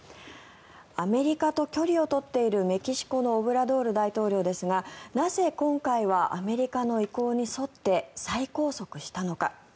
アメリカと距離を取っているメキシコのオブラドール大統領ですがなぜ今回はアメリカの意向に沿って再拘束したのか。